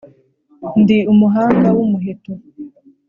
ndi umuhanga w'umuheto.